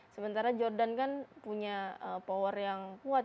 sementara jordan kan punya power yang kuat